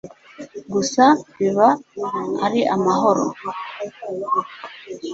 gusa bib ari amahoro